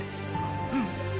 うん。